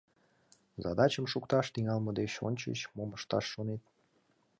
— Задачым шукташ тӱҥалме деч ончыч мом ышташ шонет?